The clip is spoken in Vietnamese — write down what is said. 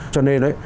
cho nên đấy